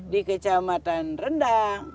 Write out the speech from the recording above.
di kecamatan rendang